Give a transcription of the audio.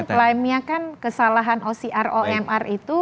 walaupun klaimnya kan kesalahan ocr omr itu